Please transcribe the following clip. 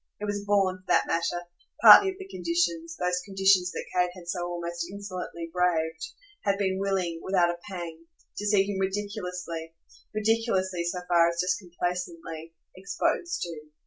It was born, for that matter, partly of the conditions, those conditions that Kate had so almost insolently braved, had been willing, without a pang, to see him ridiculously ridiculously so far as just complacently exposed to.